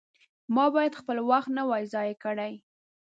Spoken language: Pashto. ما باید خپل وخت نه وای ضایع کړی.